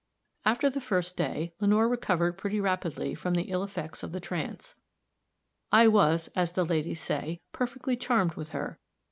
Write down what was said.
After the first day, Lenore recovered pretty rapidly from the ill effects of the trance; I was, as the ladies say, "perfectly charmed" with her.